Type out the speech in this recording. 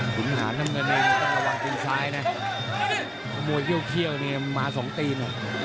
บุญหาน้ำเงินเองต้องระวังจนซ้ายนะมวยเคี่ยวเคี่ยวอันนี้มาสองตีน